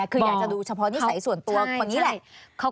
คืออยากจะดูเฉพาะนิสัยส่วนตัวคนนี้แหละ